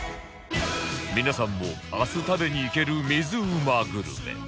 皆さんも明日食べに行ける水うま